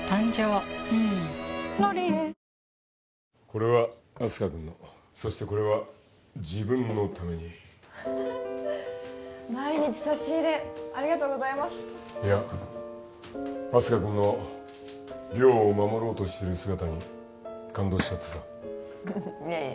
これはあす花くんのそしてこれは自分のためにフフフッ毎日差し入れありがとうございますいやあす花くんの寮を守ろうとしている姿に感動しちゃってさいえいえ